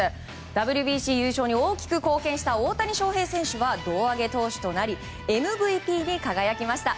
ＷＢＣ優勝に大きく貢献した大谷翔平選手は胴上げ投手となりＭＶＰに輝きました。